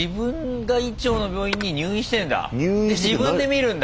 で自分で見るんだ。